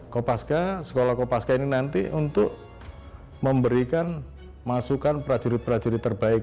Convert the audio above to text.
kopaska sekolah kopaska ini nanti untuk memberikan masukan prajurit prajurit terbaik